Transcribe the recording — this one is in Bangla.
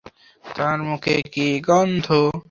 তার মুখে কি গন্ধ?